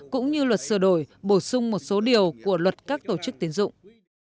cũng như luật sửa đổi bổ sung một số điều của luật các tổ chức tiến dụng